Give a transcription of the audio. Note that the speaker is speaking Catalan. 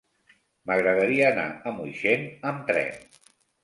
M'agradaria anar a Moixent amb tren.